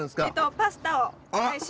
パスタを。